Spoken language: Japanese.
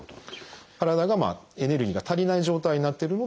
体がエネルギーが足りない状態になってるので疲れを感じている。